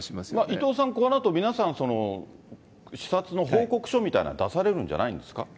伊藤さん、このあと皆さん視察の報告書みたいなの出されるんじゃないんです